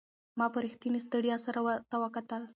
ما په رښتینې ستړیا سره ورته وکتل.